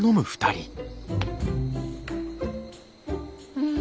うん。